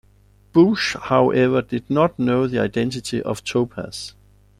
Busch however did not know the identity of Topaz.